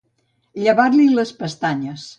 Llevar-li les pestanyes.